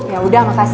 ya udah makasih